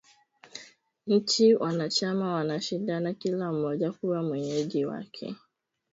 Nchi wanachama wanashindana kila mmoja kuwa mwenyeji wake